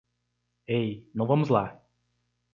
Ei, não vamos lá!